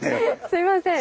すみません。